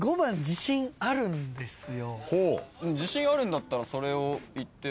自信あるんだったらそれを言って。